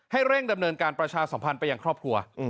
เร่งดำเนินการประชาสัมพันธ์ไปยังครอบครัว